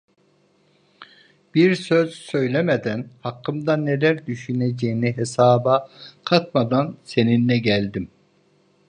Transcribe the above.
Bir söz söylemeden, hakkımda neler düşüneceğini hesaba katmadan seninle geldim.